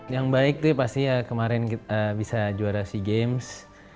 yang baik itu pasti ya kemarin kita bisa juara sea games